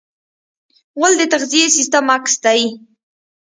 غول د تغذیې سیستم عکس دی.